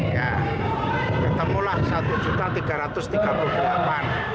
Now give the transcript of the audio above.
ya ketemulah rp satu tiga ratus tiga puluh delapan